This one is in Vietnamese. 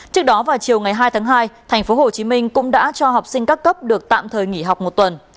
trước đó vào chiều ngày hai tháng hai tp hcm cũng đã cho học sinh các cấp được tạm thời nghỉ học một tuần